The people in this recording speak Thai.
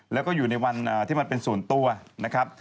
แล้วก็อยู่ในวันที่มันเป็นส่วนตัวนะครับ